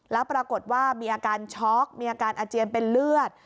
แล้วปรากฏว่ามีอาการช็อกมีอาการอาเจียนเป็นเลือด